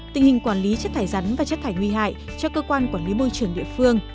tình hình quản lý chất thải rắn và chất thải nguy hại cho cơ quan quản lý môi trường địa phương